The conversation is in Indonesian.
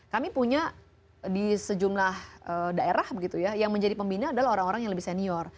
kami punya di sejumlah daerah yang menjadi pembina adalah orang orang yang lebih senior